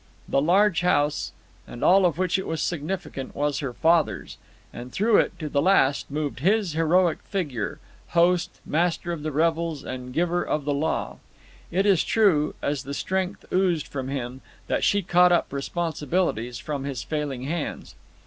The large house, and all of which it was significant, was her father's; and through it, to the last, moved his heroic figure—host, master of the revels, and giver of the law. It is true, as the strength oozed from him, that she caught up responsibilities from his failing hands.